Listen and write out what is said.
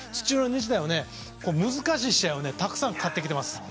日大は難しい試合をたくさん勝ってきています。